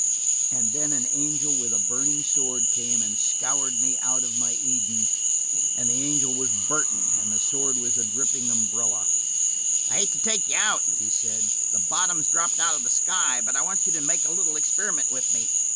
And then an angel with a burning sword came and scourged me out of my Eden. And the angel was Burton, and the sword was a dripping umbrella. "I hate to take you out," he said. "The bottom's dropped out of the sky; but I want you to make a little experiment with me."